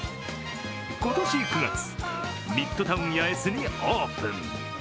今年９月、ミッドタウン八重洲にオープン。